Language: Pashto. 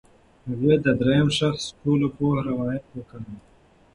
هغې د درېیم شخص ټولپوه روایت وکاراوه.